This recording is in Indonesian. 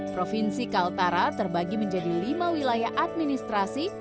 provinsi kaltara terbagi menjadi lima wilayah administrasi